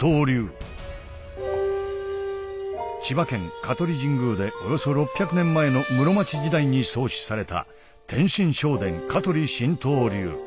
千葉県香取神宮でおよそ６００年前の室町時代に創始された天真正伝香取神道流。